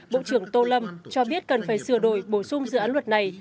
bộ trưởng tô lâm cho biết cần phải sửa đổi bổ sung dự án luật này